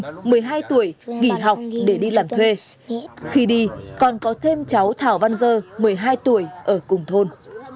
sùng văn sinh là một mươi hai tuổi nghỉ học để đi làm thuê khi đi còn có thêm cháu thảo văn dơ một mươi hai tuổi ở cùng thôn